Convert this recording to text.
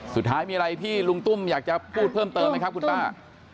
สุดท้ายมีอะไรที่ลุงตุ้มอยากจะพูดเพิ่มเติมไหมครับคุณป้า